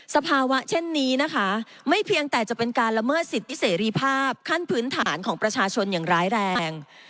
สภาวะเช่นนี้นะคะไม่เพียงแต่จะเป็นการละเมิดสิทธิเสรีภาพขั้นพื้นฐานของประชาชนอย่างร้ายแรง